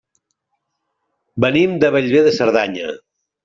Venim de Bellver de Cerdanya.